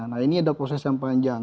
nah ini ada proses yang panjang